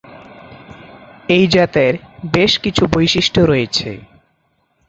এই জাতের বেশ কিছু বৈশিষ্ট্য রয়েছে।